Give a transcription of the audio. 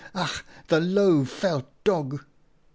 Ach, the low, veld dog!'